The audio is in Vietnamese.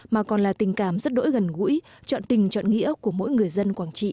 mà còn là tình cảm rất đỗi gần gũi trọn tình chọn nghĩa của mỗi người dân quảng trị